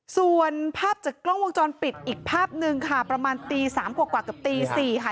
ส่วนภาพจากกล้องวงจรปิดอีกภาพหนึ่งค่ะประมาณตี๓กว่ากับตี๔ค่ะ